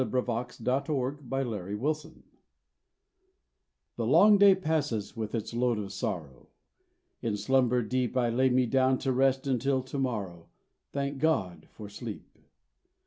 "He Giveth His Beloved Sleep" The long day passes with its load of sorrow: In slumber deep I lay me down to rest until to morrow Thank God for sleep.